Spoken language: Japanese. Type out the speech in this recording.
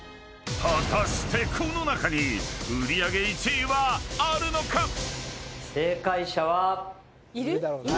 ［果たしてこの中に売り上げ１位はあるのか⁉］